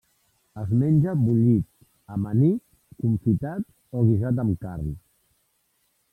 Es menja bullit, amanit, confitat o guisat amb carn.